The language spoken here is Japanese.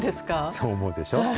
そう思うでしょ？